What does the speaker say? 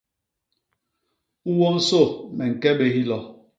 U wonsô me ñke bé hilo.